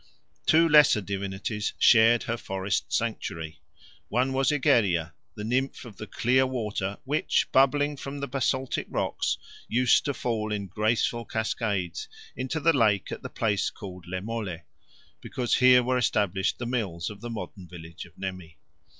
Two lesser divinities shared her forest sanctuary. One was Egeria, the nymph of the clear water which, bubbling from the basaltic rocks, used to fall in graceful cascades into the lake at the place called Le Mole, because here were established the mills of the modern village of Nemi.